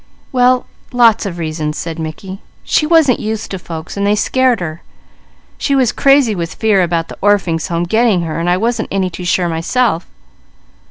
"Well, lots of reasons," said Mickey. "She wasn't used to folks, so they scared her. She was crazy with fear about the Orphings' Home getting her, while I wasn't any too sure myself.